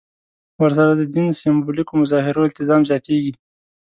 ورسره د دین سېمبولیکو مظاهرو التزام زیاتېږي.